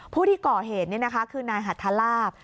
ผู้ที่ก่อเหตุนี่นะคะคือนายหัทลาบ